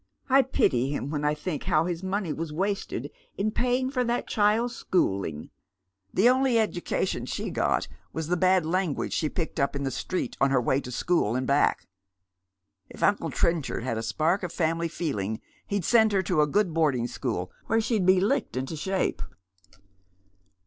I pity him when I think how his money was wasted in paying for that child's schooling. The only education she got was the bad 'angiiage elie picked up in the street on her way to school aatj (38 Dead Men's Shoes. back. If uncle Trench aid had a spark of family feeling he'd Bend her to a good boarding school, where she'd be licked into ehape."